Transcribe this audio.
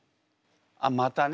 あっまたね。